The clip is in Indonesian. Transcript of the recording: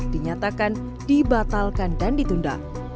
dinyatakan dibatalkan dan ditunda